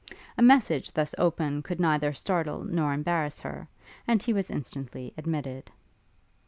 A message thus open could neither startle nor embarrass her, and he was instantly admitted.